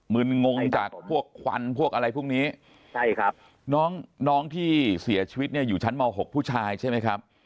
มึนงงจากพวกควรพวกอะไรพวกนี้ใช่ครับน้องที่เสียชีวิตอยู่ชั้นม๖ผู้ชายใช่มั้ยครับ